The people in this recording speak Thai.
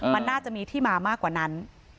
มันน่าจะมีที่มามากกว่านั้น